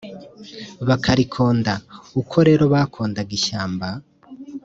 bakarikonda.uko rero bakondaga ishyamba